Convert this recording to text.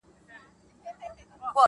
ستوري ډېوه سي ،هوا خوره سي.